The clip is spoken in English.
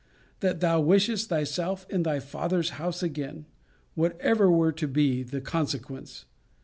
] that thou wishest thyself in thy father's house again, whatever were to be the consequence.'